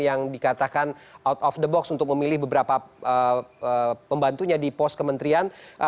yang dikatakan out of the box untuk memilih beberapa pembantunya di pos kementerian